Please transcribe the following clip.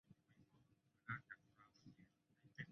气候属暖温带大陆性季风气候。